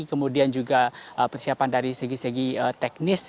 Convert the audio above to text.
kemudian juga persiapan dari segi segi teknis